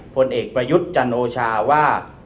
ผลเอกประยุทธ์จันโอชาว่า